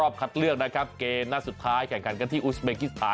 เพื่อนขวายังไหว